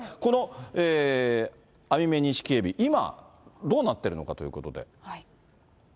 このアミメニシキヘビ、今どうなっているのかということで。